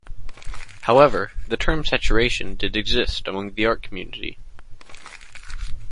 However, the term saturation did exist among the art community.